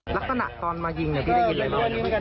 ลักษณะตอนมายิงพี่ได้ยินอะไรบ้าง